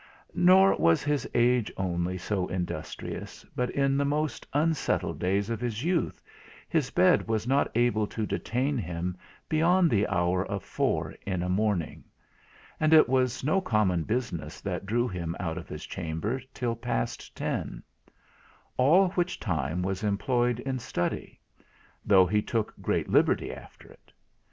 Nor was his age only so industrious, but in the most unsettled days of his youth, his bed was not able to detain him beyond the hour of four in a morning; and it was no common business that drew him out of his chamber till past ten; all which time was employed in study; though he took great liberty after it.